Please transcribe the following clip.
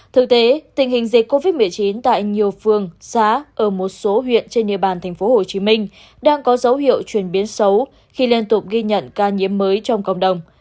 thực tế tình hình dịch covid một mươi chín tại nhiều phường xã ở một số huyện trên địa bàn tp hcm đang có dấu hiệu chuyển biến xấu khi liên tục ghi nhận ca nhiễm mới trong cộng đồng